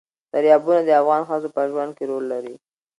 دریابونه د افغان ښځو په ژوند کې رول لري.